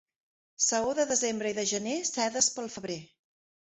Saó de desembre i de gener, sedes pel febrer.